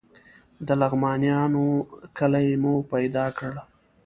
د لغمانیانو کلی مو پیدا کړ.